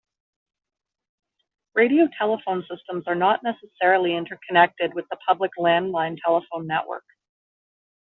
Radiotelephone systems are not necessarily interconnected with the public "land line" telephone network.